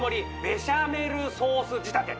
ベシャメルソース仕立て